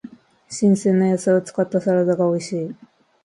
新鮮な野菜を使ったサラダが美味しい。